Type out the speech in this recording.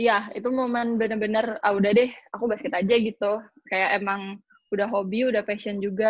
iya itu momen bener bener ah udah deh aku basket aja gitu kayak emang udah hobi udah passion juga